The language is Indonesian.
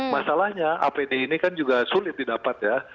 masalahnya apd ini kan juga sulit didapat ya